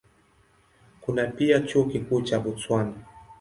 Kuna pia Chuo Kikuu cha Botswana.